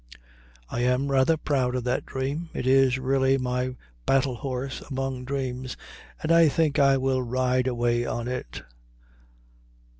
I am rather proud of that dream; it is really my battle horse among dreams, and I think I will ride away on it.